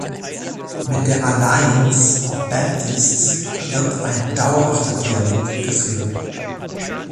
Mit der Alliance of Baptists wird ein dauerhafter Dialog geführt.